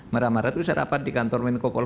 marah marah itu saya rapat di kantor minko